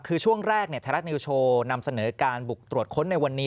คือช่วงแรกไทยรัฐนิวโชว์นำเสนอการบุกตรวจค้นในวันนี้